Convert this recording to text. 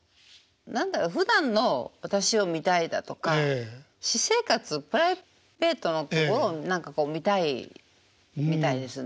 何だろうふだんの私を見たいだとか私生活プライベートのところを何かこう見たいみたいですね。